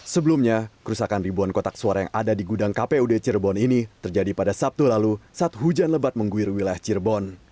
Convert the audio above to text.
sebelumnya kerusakan ribuan kotak suara yang ada di gudang kpud cirebon ini terjadi pada sabtu lalu saat hujan lebat mengguir wilayah cirebon